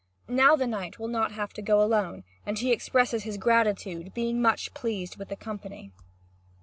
Now the knight will not have to go alone, and he expresses his gratitude, being much pleased with the company.